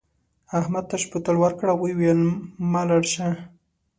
احمد تش بوتل ورکړ او وویل مه لاړ شه.